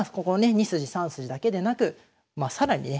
２筋３筋だけでなく更にね